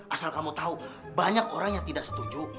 asal kamu tahu banyak orang yang tidak setuju